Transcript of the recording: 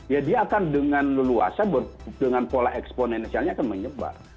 ya dia akan dengan leluasa dengan pola eksponensialnya akan menyebar